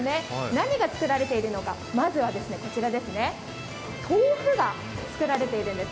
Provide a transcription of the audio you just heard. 何が作られているのか、まずはこちらですね、豆腐が作られているんです。